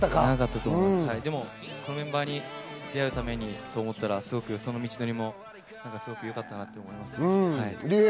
でもこのメンバーに出会うためにと思ったら、その道のりもすごくよかったなと思います。